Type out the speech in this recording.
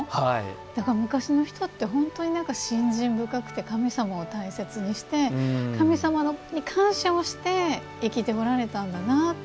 だから昔の人って本当になんか信心深くて神様を大切にして神様に感謝をして生きておられたんだなって